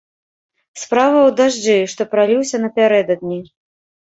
Справа ў дажджы, што праліўся напярэдадні.